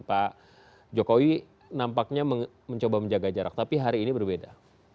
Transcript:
pak jokowi nampaknya mencoba menjaga jarak tapi hari ini berbeda